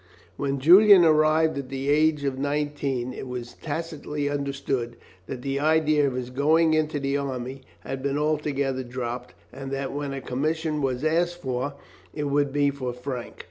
When Julian arrived at the age of nineteen it was tacitly understood that the idea of his going into the army had been altogether dropped, and that when a commission was asked for, it would be for Frank.